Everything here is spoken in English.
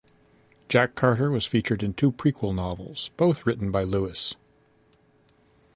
Jack Carter was featured in two prequel novels, both written by Lewis.